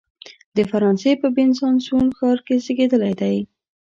د فرانسې په بیزانسوون ښار کې زیږېدلی دی.